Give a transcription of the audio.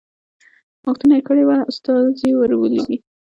غوښتنه یې کړې وه استازی ولېږي.